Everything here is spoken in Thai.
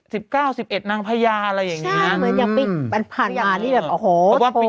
สิบเก้าสิบเอ็ดนางพญาอะไรอย่างนี้ใช่เหมือนยังปิดมันผ่านมานี่แบบโอ้โห